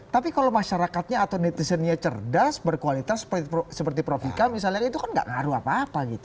tapi kalau masyarakatnya atau netizennya cerdas berkualitas seperti prof vika misalnya itu kan gak ngaruh apa apa gitu